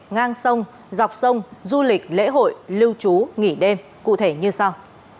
ngang sông dọc sông du lịch lễ hội lưu trú nghỉ đêm cụ thể như sau